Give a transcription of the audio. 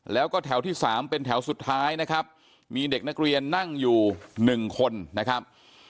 แล้วก็แถวที่๓เป็นแถวสุดท้ายนะครับมีเด็กนักเรียนนั่งอยู่๑คนนะครับ